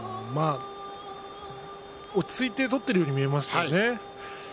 落ち着いて取っているように見えますね。